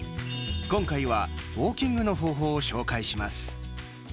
今回はウォーキングの方法を紹介します。